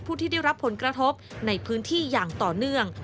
ที่ได้รับผลกระทบในพื้นที่อย่างต่อเนื่อง